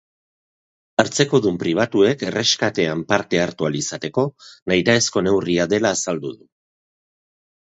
Hartzekodun pribatuek erreskatean parte hartu ahal izateko nahitaezko neurria dela azaldu du.